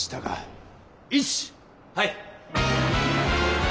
はい！